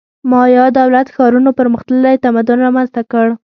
مایا دولت ښارونو پرمختللی تمدن رامنځته کړ